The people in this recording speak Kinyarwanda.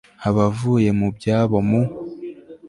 abavuye mu byabo mu